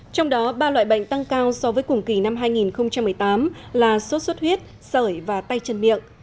trong đó ba loại bệnh tăng cao so với cùng kỳ năm hai nghìn một mươi tám là sốt xuất huyết sởi và tay chân miệng